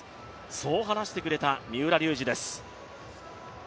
そう話してくれた三浦龍司です。